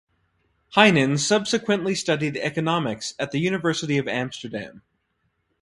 Heinen subsequently studied economics at the University of Amsterdam.